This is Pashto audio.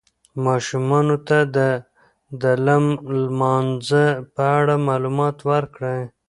ماشومانو ته د لم لمانځه په اړه معلومات ورکړئ.